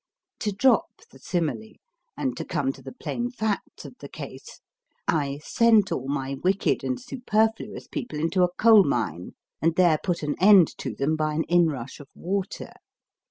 To drop the simile and to come to the plain facts of the case, I sent all my 196 MY FIRST BOOK wicked and superfluous people into a coal mine, and there put an end to them by an inrush of water.